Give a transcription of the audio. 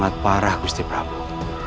sangat parah gusti prabowo